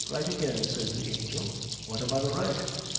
Write again, says the angel. What am I to write?